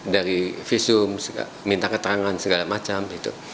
dari visum minta keterangan segala macam gitu